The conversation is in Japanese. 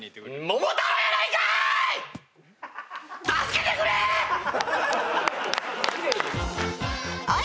「桃太郎」やないかーい。